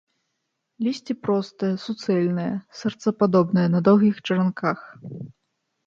Лісце простае, суцэльнае, сэрцападобнае, на доўгіх чаранках.